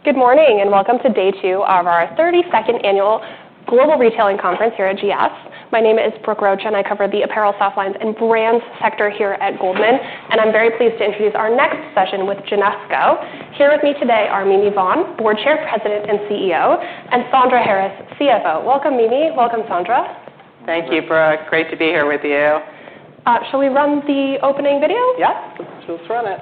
... Good morning, and welcome to day two of our thirty-second annual Global Retailing Conference here at GS. My name is Brooke Roach, and I cover the apparel, softlines, and brands sector here at Goldman, and I'm very pleased to introduce our next session with Genesco. Here with me today are Mimi Vaughn, Board Chair, President, and CEO, and Sandra Harris, CFO. Welcome, Mimi. Welcome, Sandra. Thank you, Brooke. Great to be here with you. Shall we run the opening video? Yep, let's just run it.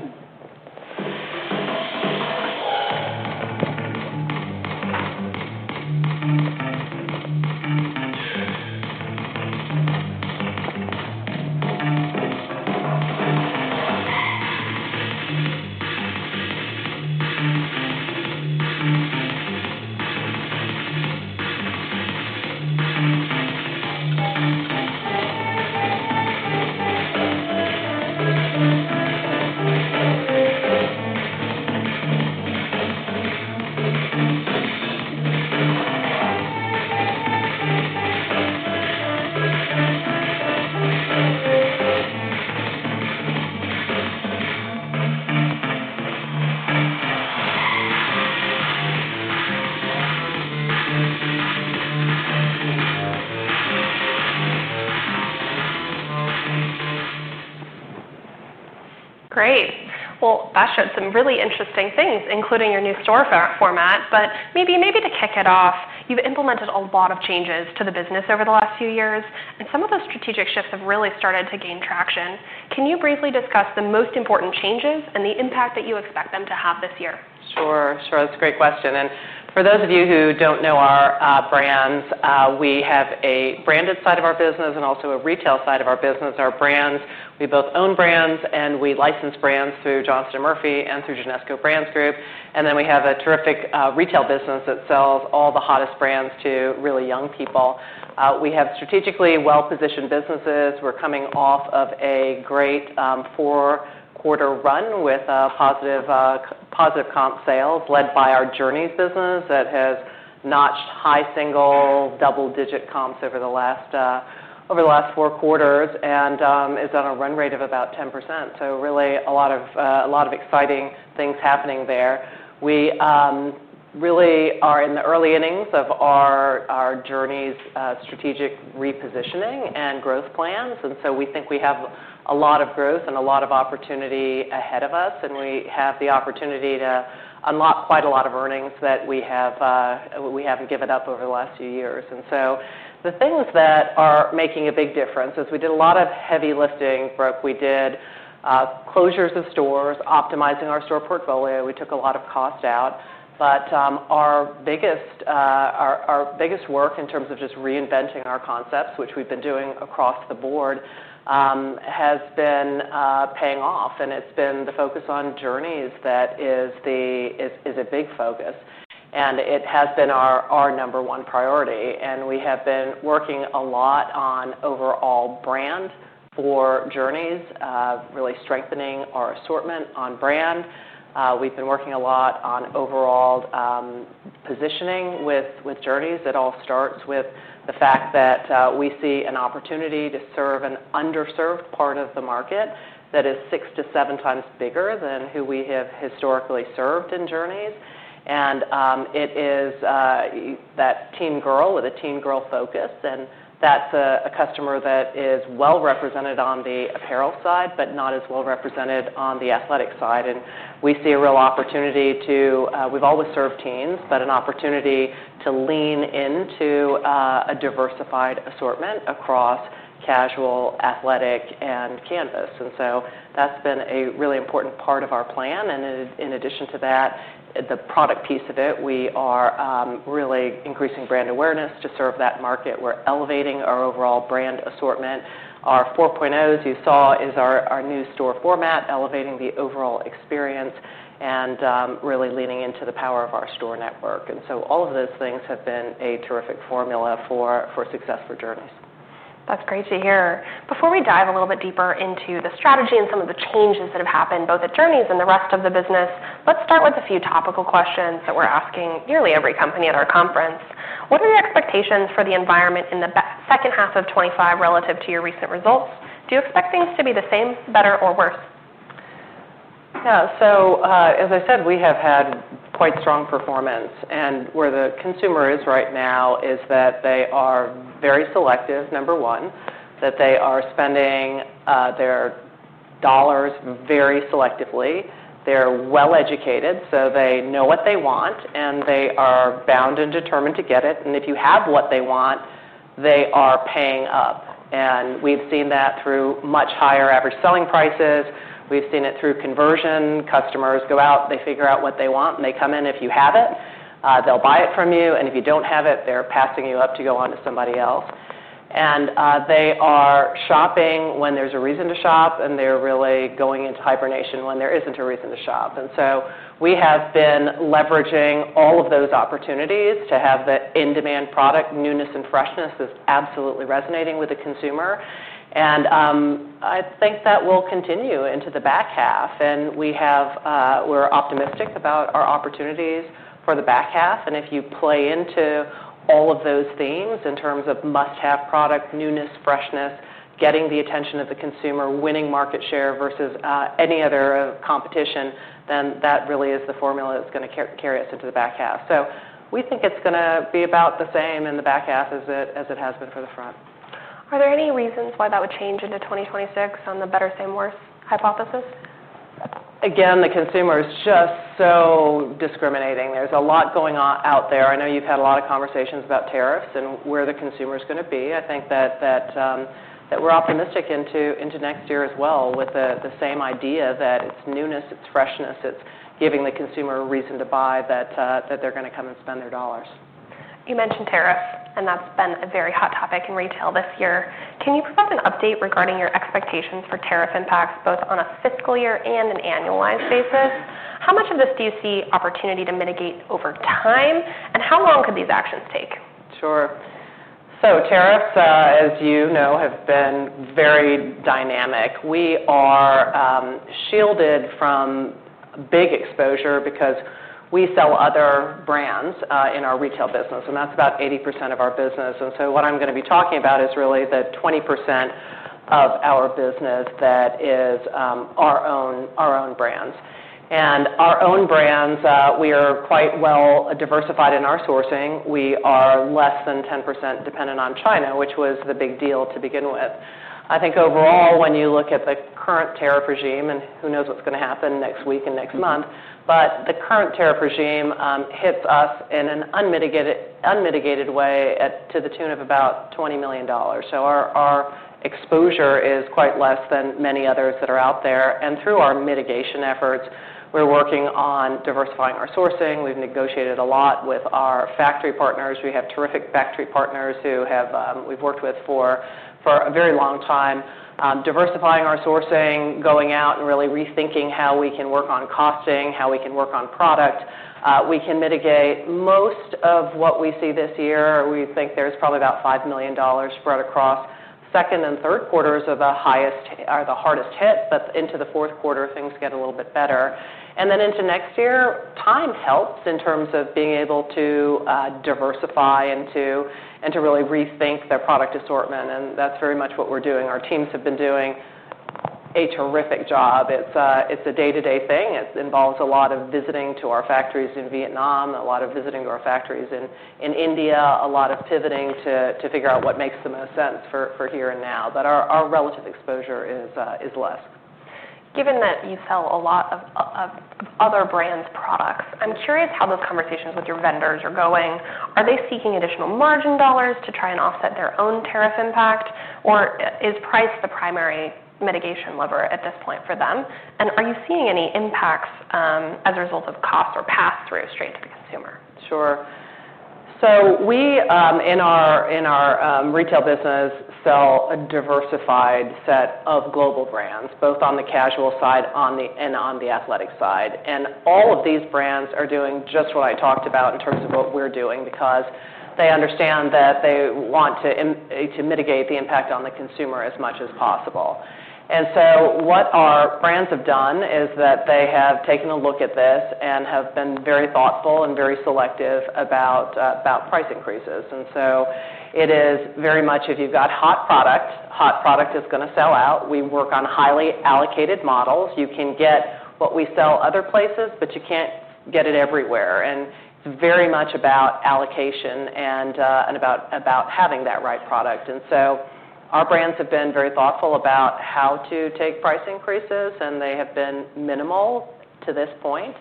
Great! Well, that showed some really interesting things, including your new store format. But maybe to kick it off, you've implemented a lot of changes to the business over the last few years, and some of those strategic shifts have really started to gain traction. Can you briefly discuss the most important changes and the impact that you expect them to have this year? Sure, sure. That's a great question, and for those of you who don't know our brands, we have a branded side of our business and also a retail side of our business. Our brands, we both own brands, and we license brands through Johnston & Murphy and through Genesco Brands Group, and then we have a terrific retail business that sells all the hottest brands to really young people. We have strategically well-positioned businesses. We're coming off of a great four-quarter run with positive comp sales, led by our Journeys business that has notched high single, double-digit comps over the last four quarters and is on a run rate of about 10%, so really a lot of exciting things happening there. We really are in the early innings of our Journeys strategic repositioning and growth plans, and so we think we have a lot of growth and a lot of opportunity ahead of us, and we have the opportunity to unlock quite a lot of earnings that we haven't given up over the last few years, and so the things that are making a big difference is we did a lot of heavy lifting, Brooke. We did closures of stores, optimizing our store portfolio. We took a lot of cost out, but our biggest work in terms of just reinventing our concepts, which we've been doing across the board, has been paying off, and it's been the focus on Journeys that is the... Is a big focus, and it has been our number one priority, and we have been working a lot on overall brand for Journeys, really strengthening our assortment on brand. We've been working a lot on overall positioning with Journeys. It all starts with the fact that we see an opportunity to serve an underserved part of the market that is six to seven times bigger than who we have historically served in Journeys, and it is that teen girl with a teen girl focus, and that's a customer that is well represented on the apparel side, but not as well represented on the athletic side, and we see a real opportunity to... We've always served teens, but an opportunity to lean into a diversified assortment across casual, athletic, and canvas, and so that's been a really important part of our plan, and in addition to that, the product piece of it, we are really increasing brand awareness to serve that market. We're elevating our overall brand assortment. Our 4.0, as you saw, is our new store format, elevating the overall experience and really leaning into the power of our store network, and so all of those things have been a terrific formula for success for Journeys. That's great to hear. Before we dive a little bit deeper into the strategy and some of the changes that have happened, both at Journeys and the rest of the business, let's start with a few topical questions that we're asking nearly every company at our conference. What are your expectations for the environment in the second half of 2025 relative to your recent results? Do you expect things to be the same, better, or worse? Yeah. So, as I said, we have had quite strong performance, and where the consumer is right now is that they are very selective, number one, that they are spending their dollars very selectively. They're well-educated, so they know what they want, and they are bound and determined to get it, and if you have what they want, they are paying up, and we've seen that through much higher average selling prices. We've seen it through conversion. Customers go out, they figure out what they want, and they come in. If you have it, they'll buy it from you, and if you don't have it, they're passing you up to go on to somebody else. And, they are shopping when there's a reason to shop, and they're really going into hibernation when there isn't a reason to shop. And so we have been leveraging all of those opportunities to have the in-demand product. Newness and freshness is absolutely resonating with the consumer, and I think that will continue into the back half, and we have. We're optimistic about our opportunities for the back half, and if you play into all of those themes in terms of must-have product, newness, freshness, getting the attention of the consumer, winning market share versus any other competition, then that really is the formula that's gonna carry us into the back half. So we think it's gonna be about the same in the back half as it has been for the front.... Are there any reasons why that would change into 2026 on the better, same, worse hypothesis? Again, the consumer is just so discriminating. There's a lot going on out there. I know you've had a lot of conversations about tariffs and where the consumer is gonna be. I think that we're optimistic into next year as well, with the same idea that it's newness, it's freshness, it's giving the consumer a reason to buy that they're gonna come and spend their dollars. You mentioned tariffs, and that's been a very hot topic in retail this year. Can you provide an update regarding your expectations for tariff impacts, both on a fiscal year and an annualized basis? How much of this do you see opportunity to mitigate over time, and how long could these actions take? Sure. So tariffs, as you know, have been very dynamic. We are shielded from big exposure because we sell other brands in our retail business, and that's about 80% of our business. And so what I'm gonna be talking about is really the 20% of our business that is our own, our own brands. And our own brands, we are quite well diversified in our sourcing. We are less than 10% dependent on China, which was the big deal to begin with. I think overall, when you look at the current tariff regime, and who knows what's gonna happen next week and next month, but the current tariff regime hits us in an unmitigated way at, to the tune of about $20 million. Our exposure is quite less than many others that are out there, and through our mitigation efforts, we're working on diversifying our sourcing. We've negotiated a lot with our factory partners. We have terrific factory partners who have we've worked with for a very long time. Diversifying our sourcing, going out and really rethinking how we can work on costing, how we can work on product, we can mitigate most of what we see this year. We think there's probably about $5 million spread across second and third quarters, are the highest, the hardest hit, but into the fourth quarter, things get a little bit better. Then into next year, time helps in terms of being able to diversify and to really rethink the product assortment, and that's very much what we're doing. Our teams have been doing a terrific job. It's a day-to-day thing. It involves a lot of visiting to our factories in Vietnam, a lot of visiting to our factories in India, a lot of pivoting to figure out what makes the most sense for here and now. But our relative exposure is less. Given that you sell a lot of other brands' products, I'm curious how those conversations with your vendors are going. Are they seeking additional margin dollars to try and offset their own tariff impact, or is price the primary mitigation lever at this point for them? And are you seeing any impacts as a result of costs or pass-through straight to the consumer? Sure. So we in our retail business sell a diversified set of global brands, both on the casual side and on the athletic side. And all of these brands are doing just what I talked about in terms of what we're doing because they understand that they want to to mitigate the impact on the consumer as much as possible. And so what our brands have done is that they have taken a look at this and have been very thoughtful and very selective about about price increases. And so it is very much if you've got hot product, hot product is gonna sell out. We work on highly allocated models. You can get what we sell other places, but you can't get it everywhere. And it's very much about allocation and about having that right product. And so our brands have been very thoughtful about how to take price increases, and they have been minimal to this point.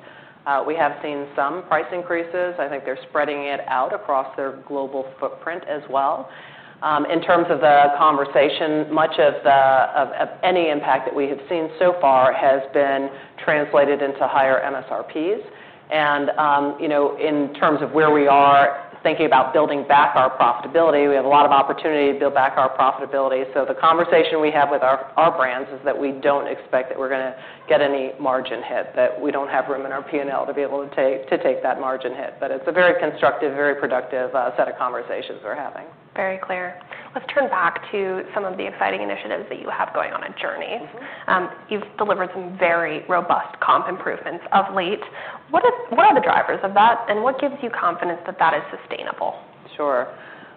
We have seen some price increases. I think they're spreading it out across their global footprint as well. In terms of the conversation, much of any impact that we have seen so far has been translated into higher MSRPs. And you know, in terms of where we are thinking about building back our profitability, we have a lot of opportunity to build back our profitability. So the conversation we have with our brands is that we don't expect that we're gonna get any margin hit, that we don't have room in our P&L to be able to take that margin hit. But it's a very constructive, very productive set of conversations we're having. Very clear. Let's turn back to some of the exciting initiatives that you have going on at Journeys. Mm-hmm. You've delivered some very robust comp improvements of late. What are the drivers of that, and what gives you confidence that that is sustainable? Sure.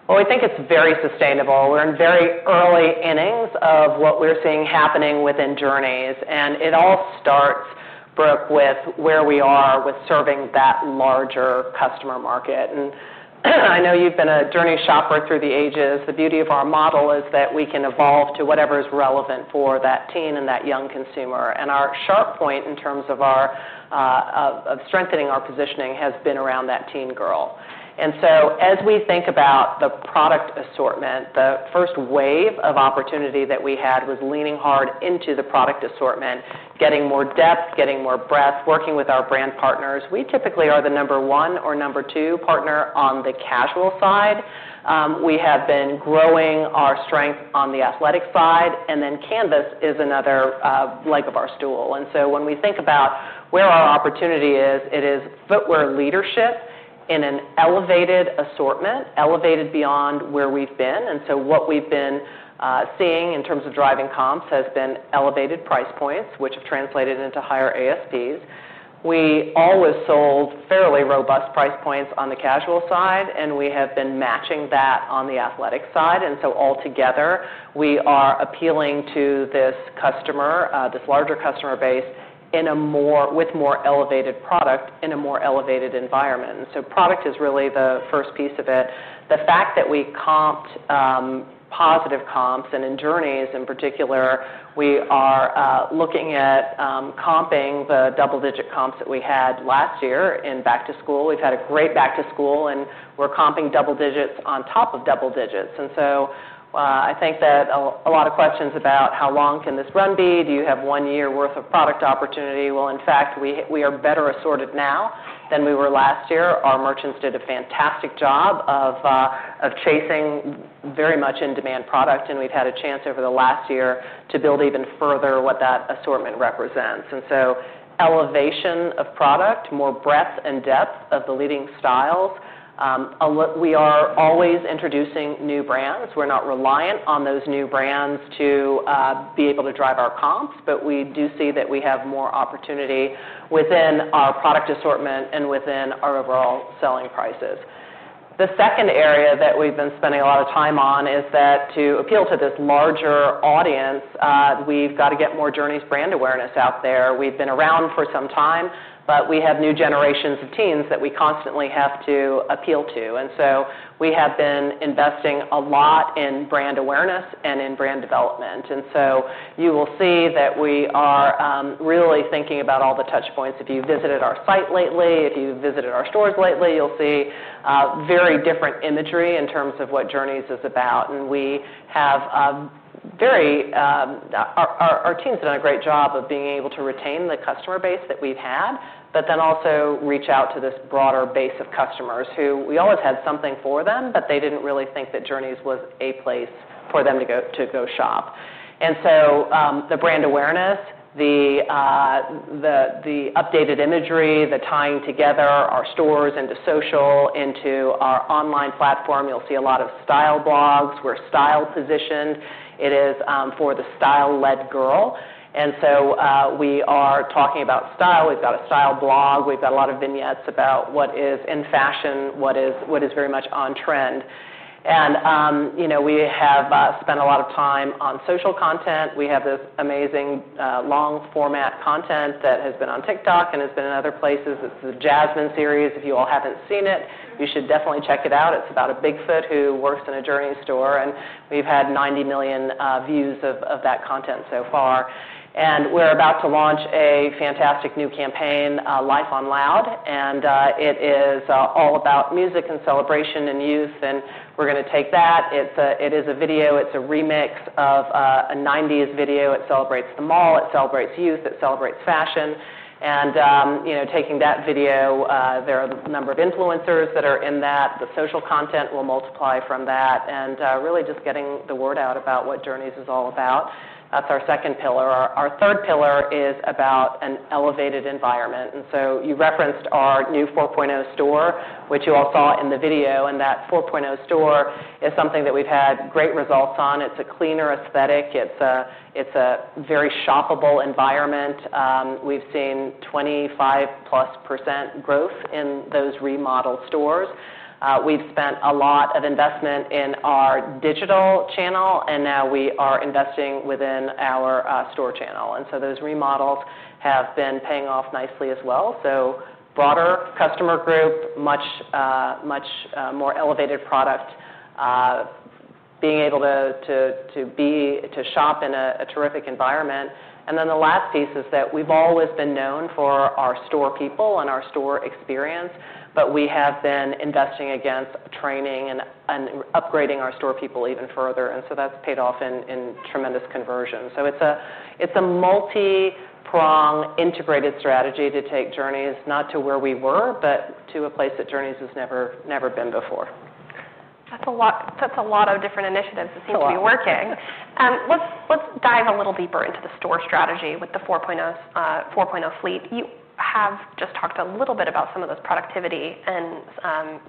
Well, we think it's very sustainable. We're in very early innings of what we're seeing happening within Journeys, and it all starts, Brooke, with where we are with serving that larger customer market. And I know you've been a Journeys shopper through the ages. The beauty of our model is that we can evolve to whatever is relevant for that teen and that young consumer, and our sharp point in terms of our of strengthening our positioning has been around that teen girl. And so as we think about the product assortment, the first wave of opportunity that we had was leaning hard into the product assortment, getting more depth, getting more breadth, working with our brand partners. We typically are the number one or number two partner on the casual side. We have been growing our strength on the athletic side, and then canvas is another leg of our stool. And so when we think about where our opportunity is, it is footwear leadership in an elevated assortment, elevated beyond where we've been. And so what we've been seeing in terms of driving comps has been elevated price points, which have translated into higher ASPs. We always sold fairly robust price points on the casual side, and we have been matching that on the athletic side. And so altogether, we are appealing to this customer, this larger customer base in a more with more elevated product in a more elevated environment. And so product is really the first piece of it. The fact that we comped positive comps, and in Journeys in particular, we are looking at comping the double-digit comps that we had last year in back to school. We've had a great back to school, and we're comping double digits on top of double digits. And so I think that a lot of questions about how long can this run be? Do you have one year worth of product opportunity? Well, in fact, we are better assorted now than we were last year. Our merchants did a fantastic job of chasing very much in-demand product, and we've had a chance over the last year to build even further what that assortment represents. And so elevation of product, more breadth and depth of the leading styles. We are always introducing new brands. We're not reliant on those new brands to be able to drive our comps, but we do see that we have more opportunity within our product assortment and within our overall selling prices. The second area that we've been spending a lot of time on is that to appeal to this larger audience, we've got to get more Journeys brand awareness out there. We've been around for some time, but we have new generations of teens that we constantly have to appeal to, and so we have been investing a lot in brand awareness and in brand development. And so you will see that we are really thinking about all the touch points. If you visited our site lately, if you've visited our stores lately, you'll see very different imagery in terms of what Journeys is about, and we have very. Our team's done a great job of being able to retain the customer base that we've had, but then also reach out to this broader base of customers who we always had something for them, but they didn't really think that Journeys was a place for them to go shop. And so, the brand awareness, the updated imagery, the tying together our stores into social, into our online platform. You'll see a lot of style blogs. We're style positioned. It is for the style-led girl, and so we are talking about style. We've got a style blog. We've got a lot of vignettes about what is in fashion, what is very much on trend. And, you know, we have spent a lot of time on social content. We have this amazing, long-format content that has been on TikTok and has been in other places. It's the Jasmine series. If you all haven't seen it, you should definitely check it out. It's about a Bigfoot who works in a Journeys store, and we've had 90 million views of that content so far, and we're about to launch a fantastic new campaign, Life on Loud, and it is all about music and celebration and youth, and we're gonna take that. It's a video. It's a remix of a nineties video. It celebrates the mall, it celebrates youth, it celebrates fashion, and you know, taking that video, there are a number of influencers that are in that. The social content will multiply from that, and really just getting the word out about what Journeys is all about. That's our second pillar. Our third pillar is about an elevated environment, and so you referenced our new 4.0 store, which you all saw in the video, and that 4.0 store is something that we've had great results on. It's a cleaner aesthetic. It's a very shoppable environment. We've seen 25% plus growth in those remodeled stores. We've spent a lot of investment in our digital channel, and now we are investing within our store channel, and so those remodels have been paying off nicely as well. So broader customer group, much more elevated product, being able to shop in a terrific environment. And then the last piece is that we've always been known for our store people and our store experience, but we have been investing in training and upgrading our store people even further, and so that's paid off in tremendous conversion. So it's a multipronged, integrated strategy to take Journeys not to where we were, but to a place that Journeys has never been before. That's a lot, that's a lot of different initiatives- It's a lot. -that seem to be working. Let's dive a little deeper into the store strategy with the 4.0s, 4.0 fleet. You have just talked a little bit about some of those productivity and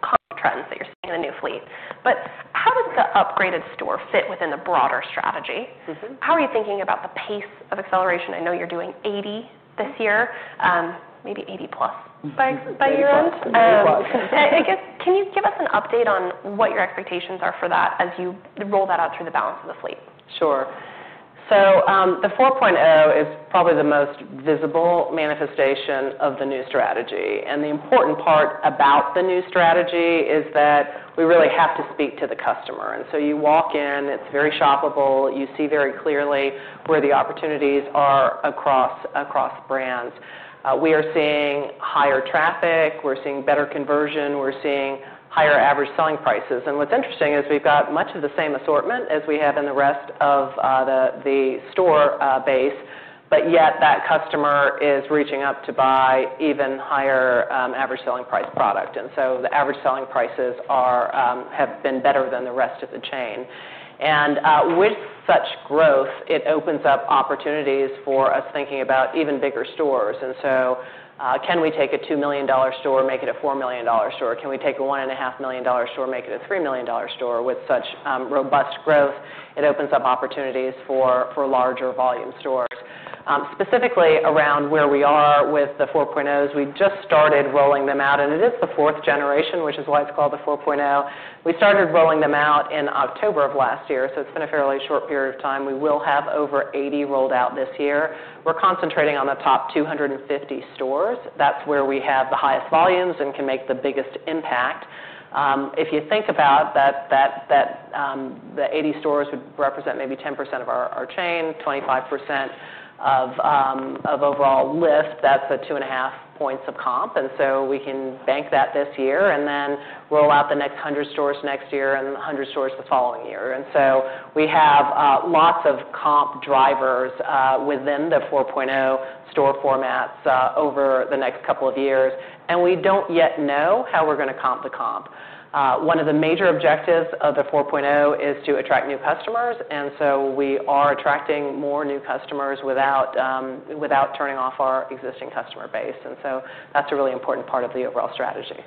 comp trends that you're seeing in the new fleet, but how does the upgraded store fit within the broader strategy? Mm-hmm. How are you thinking about the pace of acceleration? I know you're doing 80 this year, maybe 80 plus by year-end. Very well. I guess, can you give us an update on what your expectations are for that as you roll that out through the balance of the fleet? Sure. So, the 4.0 is probably the most visible manifestation of the new strategy, and the important part about the new strategy is that we really have to speak to the customer. And so you walk in, it's very shoppable. You see very clearly where the opportunities are across brands. We are seeing higher traffic, we're seeing better conversion, we're seeing higher average selling prices, and what's interesting is we've got much of the same assortment as we have in the rest of the store base, but yet that customer is reaching up to buy even higher average selling price product. And so the average selling prices have been better than the rest of the chain. And with such growth, it opens up opportunities for us thinking about even bigger stores. And so, can we take a $2 million store, make it a $4 million store? Can we take a $1.5 million store, make it a $3 million store? With such robust growth, it opens up opportunities for larger volume stores. Specifically around where we are with the 4.0s, we just started rolling them out, and it is the fourth generation, which is why it's called the 4.0. We started rolling them out in October of last year, so it's been a fairly short period of time. We will have over 80 rolled out this year. We're concentrating on the top 250 stores. That's where we have the highest volumes and can make the biggest impact. If you think about that, the 80 stores would represent maybe 10% of our chain, 25% of overall lift. That's a two and a half points of comp, and so we can bank that this year and then roll out the next 100 stores next year and 100 stores the following year. And so we have lots of comp drivers within the 4.0 store formats over the next couple of years, and we don't yet know how we're gonna comp the comp. One of the major objectives of the 4.0 is to attract new customers, and so we are attracting more new customers without turning off our existing customer base, and so that's a really important part of the overall strategy.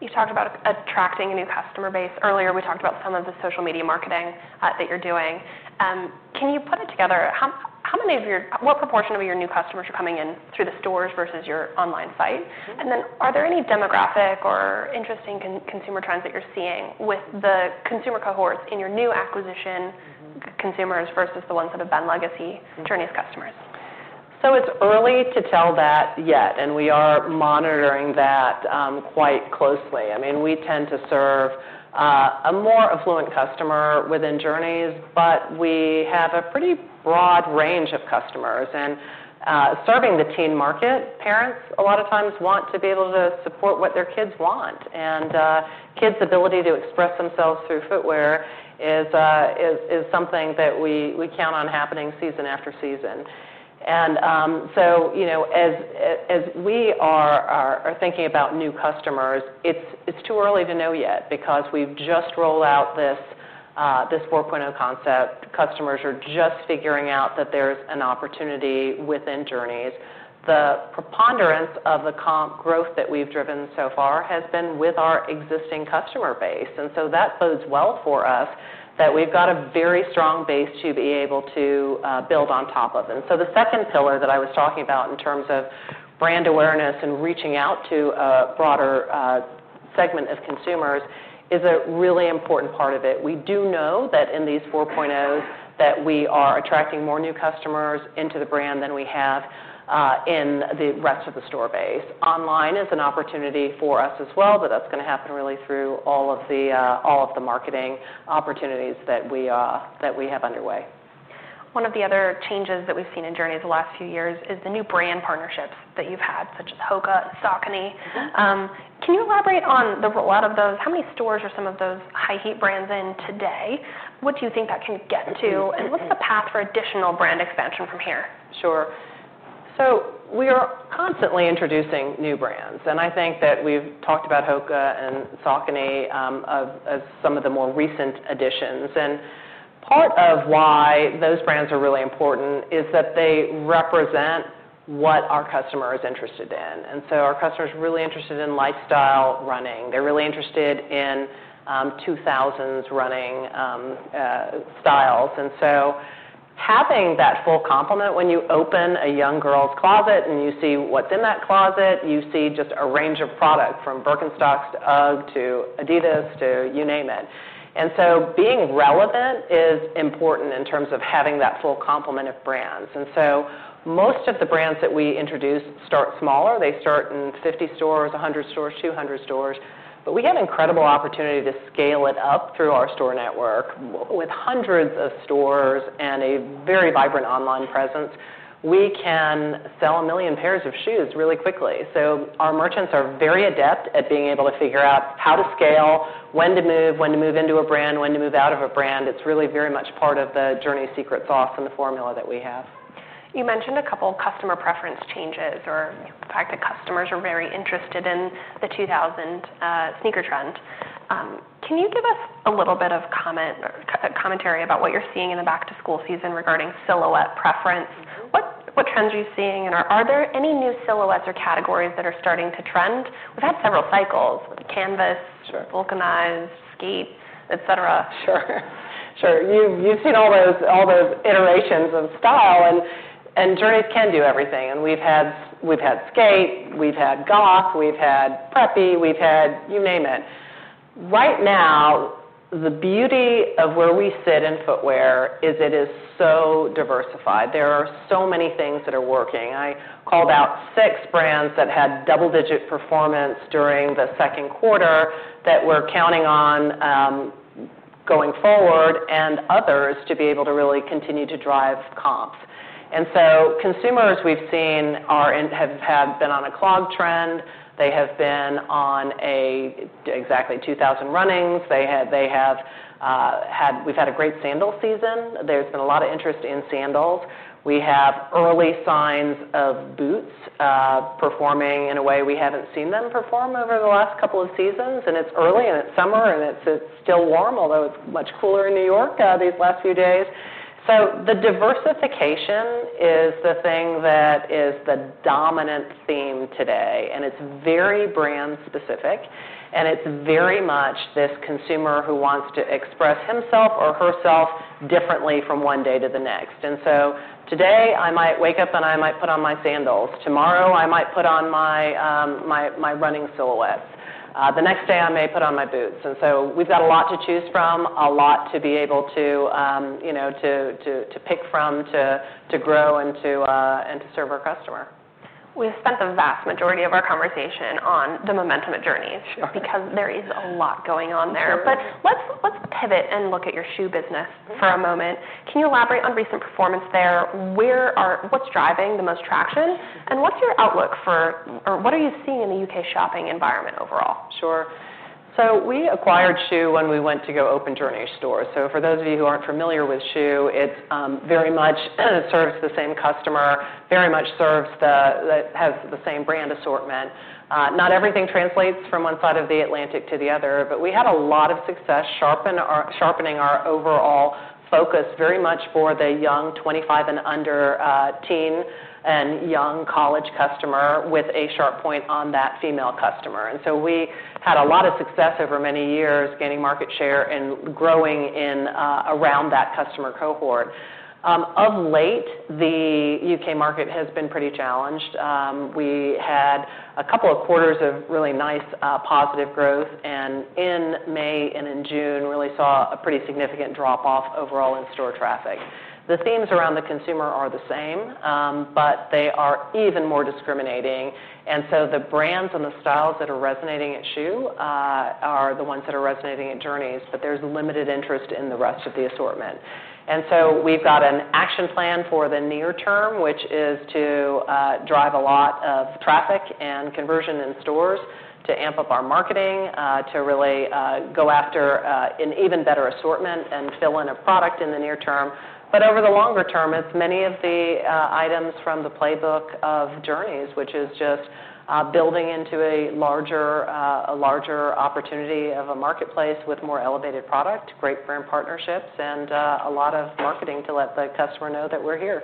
You talked about attracting a new customer base. Earlier, we talked about some of the social media marketing that you're doing. Can you put it together? How many of your... What proportion of your new customers are coming in through the stores versus your online site? Mm-hmm. And then are there any demographic or interesting consumer trends that you're seeing with the consumer cohorts in your new acquisition? Mm-hmm... consumers versus the ones that have been legacy- Mm-hmm Journeys customers? So it's early to tell that yet, and we are monitoring that, quite closely. I mean, we tend to serve, a more affluent customer within Journeys, but we have a pretty broad range of customers. And, serving the teen market, parents, a lot of times, want to be able to support what their kids want, and, kids' ability to express themselves through footwear is something that we count on happening season after season. And, so, you know, as we are thinking about new customers, it's too early to know yet because we've just rolled out this 4.0 concept. Customers are just figuring out that there's an opportunity within Journeys. The preponderance of the comp growth that we've driven so far has been with our existing customer base, and so that bodes well for us, that we've got a very strong base to be able to build on top of, and so the second pillar that I was talking about in terms of brand awareness and reaching out to a broader segment of consumers is a really important part of it. We do know that in these 4.0s, that we are attracting more new customers into the brand than we have in the rest of the store base. Online is an opportunity for us as well, but that's gonna happen really through all of the marketing opportunities that we have underway. One of the other changes that we've seen in Journeys the last few years is the new brand partnerships that you've had, such as HOKA, Saucony. Mm-hmm. Can you elaborate on the rollout of those? How many stores are some of those high-heat brands in today? What do you think that can get to- Mm-hmm, mm-hmm... and what's the path for additional brand expansion from here? Sure. So we are constantly introducing new brands, and I think that we've talked about HOKA and Saucony as some of the more recent additions. And part of why those brands are really important is that they represent what our customer is interested in, and so our customer is really interested in lifestyle running. They're really interested in 2000s running styles. And so having that full complement, when you open a young girl's closet and you see what's in that closet, you see just a range of product from Birkenstocks to UGG to Adidas to you name it. And so being relevant is important in terms of having that full complement of brands. And so most of the brands that we introduce start smaller. They start in 50 stores, 100 stores, 200 stores, but we have incredible opportunity to scale it up through our store network. With hundreds of stores and a very vibrant online presence, we can sell a million pairs of shoes really quickly. So our merchants are very adept at being able to figure out how to scale, when to move, when to move into a brand, when to move out of a brand. It's really very much part of the Journeys secret sauce and the formula that we have. You mentioned a couple customer preference changes or the fact that customers are very interested in the 2000 sneaker trend. Can you give us a little bit of comment, commentary about what you're seeing in the back-to-school season regarding silhouette preference? Mm-hmm. What trends are you seeing, and are there any new silhouettes or categories that are starting to trend? We've had several cycles, canvas- Sure... vulcanized, skate, et cetera. Sure. You've seen all those iterations of style, and Journeys can do everything. And we've had skate, we've had goth, we've had preppy. We've had you name it. Right now, the beauty of where we sit in footwear is it is so diversified. There are so many things that are working. I called out six brands that had double-digit performance during the second quarter that we're counting on going forward and others to be able to really continue to drive comp sales. And so consumers we've seen have been on a clog trend. They have been on a exactly 2000 runnings. We've had a great sandal season. There's been a lot of interest in sandals. We have early signs of boots performing in a way we haven't seen them perform over the last couple of seasons, and it's early, and it's summer, and it's still warm, although it's much cooler in New York these last few days. So the diversification is the thing that is the dominant theme today, and it's very brand specific, and it's very much this consumer who wants to express himself or herself differently from one day to the next. And so today, I might wake up, and I might put on my sandals. Tomorrow, I might put on my running silhouettes. The next day, I may put on my boots, and so we've got a lot to choose from, a lot to be able to, you know, to pick from, to grow and to serve our customer. We've spent the vast majority of our conversation on the momentum at Journeys- Sure. Because there is a lot going on there. Sure. But let's pivot and look at your shoe business- Mm-hmm. For a moment. Can you elaborate on recent performance there? Where are... What's driving the most traction, and what's your outlook for- or what are you seeing in the U.K. shopping environment overall? Sure. So we acquired Schuh when we went to go open Journeys stores. So for those of you who aren't familiar with Schuh, it's very much serves the same customer and has the same brand assortment. Not everything translates from one side of the Atlantic to the other, but we had a lot of success sharpening our overall focus very much for the young, 25 and under, teen and young college customer with a sharp point on that female customer. And so we had a lot of success over many years gaining market share and growing in around that customer cohort. Of late, the U.K. market has been pretty challenged. We had a couple of quarters of really nice positive growth, and in May and in June, really saw a pretty significant drop-off overall in store traffic. The themes around the consumer are the same, but they are even more discriminating, and so the brands and the styles that are resonating at Schuh are the ones that are resonating at Journeys, but there's limited interest in the rest of the assortment, and so we've got an action plan for the near term, which is to drive a lot of traffic and conversion in stores, to amp up our marketing, to really go after an even better assortment and fill in a product in the near term. But over the longer term, it's many of the items from the playbook of Journeys, which is just building into a larger opportunity of a marketplace with more elevated product, great brand partnerships, and a lot of marketing to let the customer know that we're here.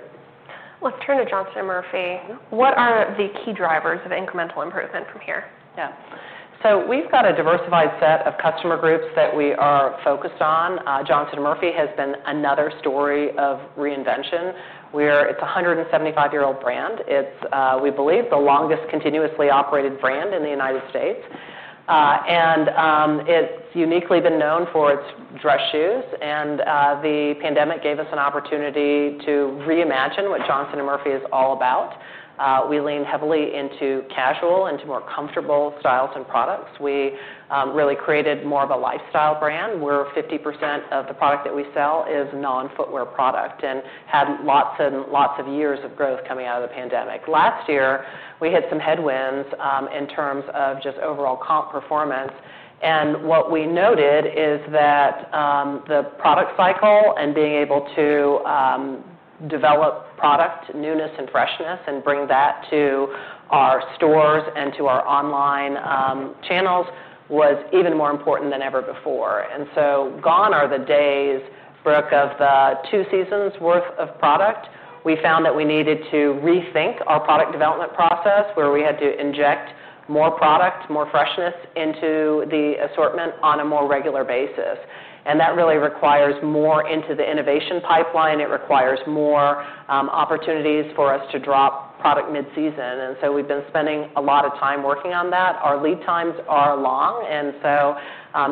Let's turn to Johnston & Murphy. Mm-hmm. What are the key drivers of incremental improvement from here? Yeah, so we've got a diversified set of customer groups that we are focused on. Johnston & Murphy has been another story of reinvention, where it's a 175-year-old brand. It's, we believe, the longest continuously operated brand in the United States. And it's uniquely been known for its dress shoes, and the pandemic gave us an opportunity to reimagine what Johnston & Murphy is all about. We leaned heavily into casual, into more comfortable styles and products. We really created more of a lifestyle brand, where 50% of the product that we sell is non-footwear product and had lots and lots of years of growth coming out of the pandemic. Last year, we hit some headwinds in terms of just overall comp performance, and what we noted is that the product cycle and being able to develop product newness and freshness and bring that to our stores and to our online channels was even more important than ever before, and so gone are the days, Brooke, of two seasons worth of product. We found that we needed to rethink our product development process, where we had to inject more product, more freshness into the assortment on a more regular basis, and that really requires more into the innovation pipeline. It requires more opportunities for us to drop product mid-season, and so we've been spending a lot of time working on that. Our lead times are long, and so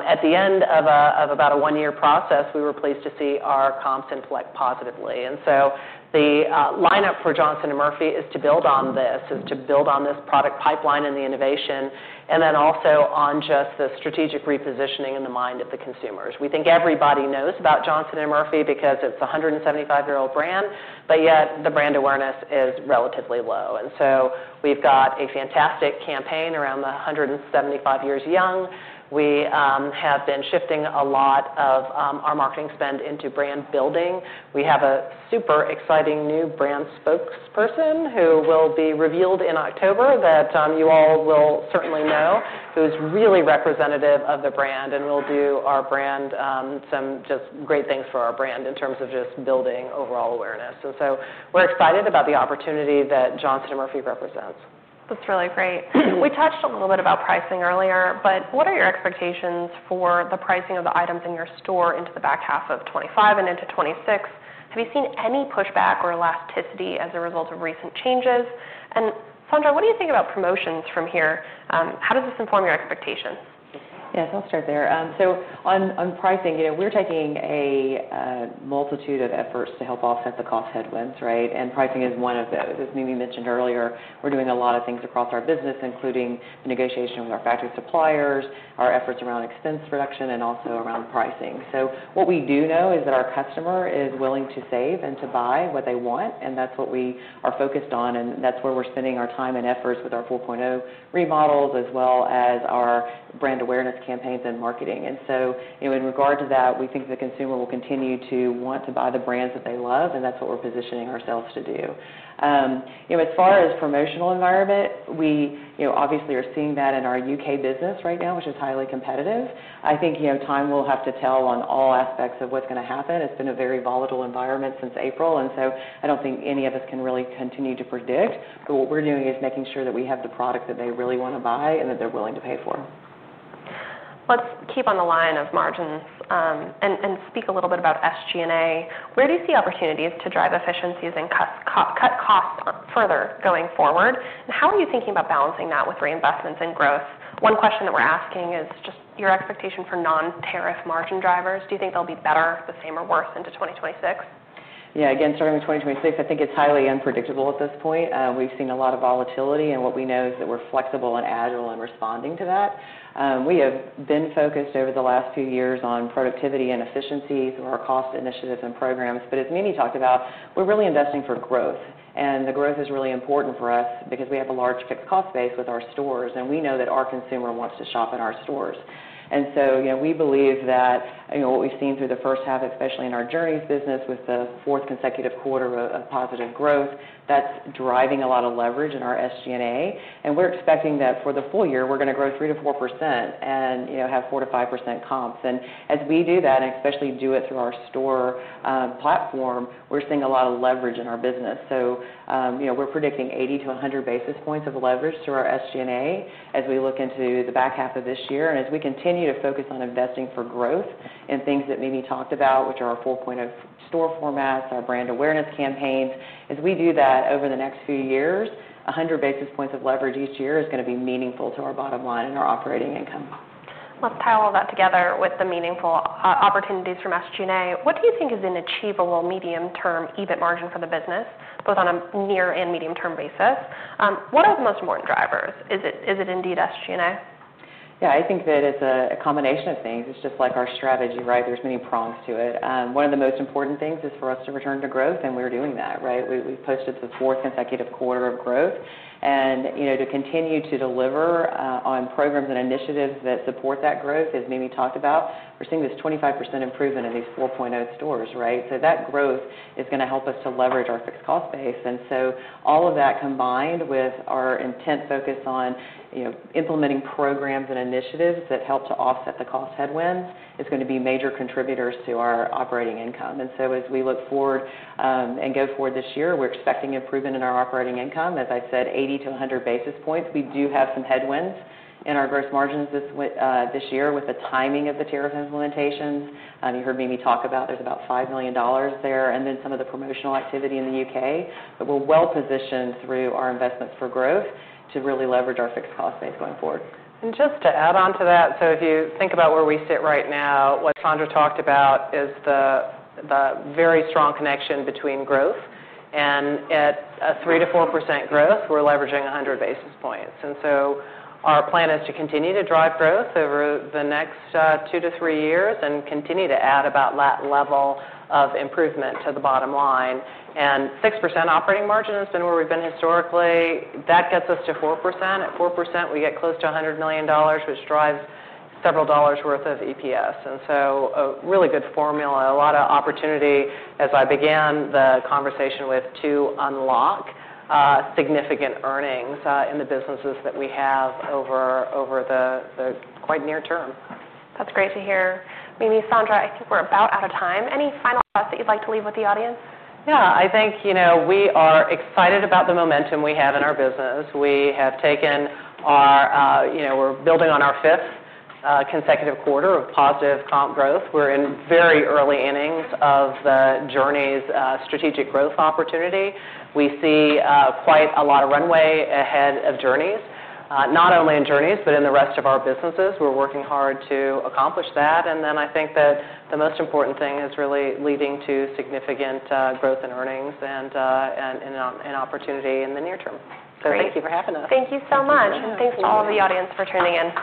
at the end of about a one-year process, we were pleased to see our comps inflect positively, and so the lineup for Johnston & Murphy is to build on this product pipeline and the innovation, and then also on just the strategic repositioning in the mind of the consumers. We think everybody knows about Johnston & Murphy because it's a 175-year-old brand, but yet the brand awareness is relatively low, and so we've got a fantastic campaign around the 175 years young. We have been shifting a lot of our marketing spend into brand building. We have a super exciting new brand spokesperson, who will be revealed in October, you all will certainly know, who's really representative of the brand and will do our brand some just great things for our brand in terms of just building overall awareness. And so we're excited about the opportunity that Johnston & Murphy represents. That's really great. We touched a little bit about pricing earlier, but what are your expectations for the pricing of the items in your store into the back half of 2025 and into 2026? Have you seen any pushback or elasticity as a result of recent changes? And Sandra, what do you think about promotions from here? How does this inform your expectations? Yes, I'll start there. So on pricing, you know, we're taking a multitude of efforts to help offset the cost headwinds, right? And pricing is one of those. As Mimi mentioned earlier, we're doing a lot of things across our business, including negotiation with our factory suppliers, our efforts around expense reduction, and also around pricing. So what we do know is that our customer is willing to save and to buy what they want, and that's what we are focused on, and that's where we're spending our time and efforts with our 4.0 remodels, as well as our brand awareness campaigns and marketing. And so, you know, in regard to that, we think the consumer will continue to want to buy the brands that they love, and that's what we're positioning ourselves to do. you know, as far as promotional environment, we, you know, obviously are seeing that in our U.K. business right now, which is highly competitive. I think, you know, time will have to tell on all aspects of what's gonna happen. It's been a very volatile environment since April, and so I don't think any of us can really continue to predict, but what we're doing is making sure that we have the product that they really wanna buy and that they're willing to pay for. Let's keep on the line of margins, and speak a little bit about SG&A. Where do you see opportunities to drive efficiencies and cut costs further going forward, and how are you thinking about balancing that with reinvestments in growth? One question that we're asking is just your expectation for non-tariff margin drivers. Do you think they'll be better, the same, or worse into 2026? Yeah. Again, starting with 2026, I think it's highly unpredictable at this point. We've seen a lot of volatility, and what we know is that we're flexible and agile in responding to that. We have been focused over the last two years on productivity and efficiencies through our cost initiatives and programs, but as Mimi talked about, we're really investing for growth, and the growth is really important for us because we have a large fixed cost base with our stores, and we know that our consumer wants to shop in our stores. And so, you know, we believe that, you know, what we've seen through the first half, especially in our Journeys business, with the fourth consecutive quarter of positive growth, that's driving a lot of leverage in our SG&A, and we're expecting that for the full year, we're gonna grow 3%-4% and, you know, have 4%-5% comps, and as we do that, and especially do it through our store platform, we're seeing a lot of leverage in our business, so you know, we're predicting 80 basis points-100 basis points of leverage through our SG&A as we look into the back half of this year and as we continue to focus on investing for growth and things that Mimi talked about, which are our 4.0 store formats, our brand awareness campaigns. As we do that over the next few years, 100 basis points of leverage each year is gonna be meaningful to our bottom line and our operating income. Let's tie all that together with the meaningful opportunities from SG&A. What do you think is an achievable medium-term EBITDA margin for the business, both on a near and medium-term basis? What are the most important drivers? Is it, is it indeed SG&A? Yeah, I think that it's a combination of things. It's just like our strategy, right? There's many prongs to it. One of the most important things is for us to return to growth, and we're doing that, right? We've posted the fourth consecutive quarter of growth and, you know, to continue to deliver on programs and initiatives that support that growth, as Mimi talked about, we're seeing this 25% improvement in these 4.0 stores, right? So that growth is gonna help us to leverage our fixed cost base, and so all of that, combined with our intense focus on, you know, implementing programs and initiatives that help to offset the cost headwinds, is gonna be major contributors to our operating income. And so, as we look forward and go forward this year, we're expecting improvement in our operating income. As I said, 80 basis points-100 basis points. We do have some headwinds in our gross margins this year with the timing of the tariff implementations. You heard Mimi talk about, there's about $5 million there, and then some of the promotional activity in the U.K., but we're well-positioned through our investments for growth to really leverage our fixed cost base going forward. Just to add on to that, so if you think about where we sit right now, what Sandra talked about is the very strong connection between growth and. At a 3%-4% growth, we're leveraging 100 basis points. And so our plan is to continue to drive growth over the next 2-3 years and continue to add about that level of improvement to the bottom line. And 6% operating margin has been where we've been historically. That gets us to 4%. At 4%, we get close to $100 million, which drives several dollars' worth of EPS, and so a really good formula, a lot of opportunity, as I began the conversation with, to unlock significant earnings in the businesses that we have over the quite near term. That's great to hear. Mimi, Sandra, I think we're about out of time. Any final thoughts that you'd like to leave with the audience? Yeah. I think, you know, we are excited about the momentum we have in our business. We have taken our... You know, we're building on our fifth consecutive quarter of positive comp growth. We're in very early innings of the Journeys strategic growth opportunity. We see quite a lot of runway ahead of Journeys, not only in Journeys, but in the rest of our businesses. We're working hard to accomplish that, and then I think that the most important thing is really leading to significant growth in earnings and opportunity in the near term. Great. So thank you for having us. Thank you so much. Thank you. Thanks to all of the audience for tuning in.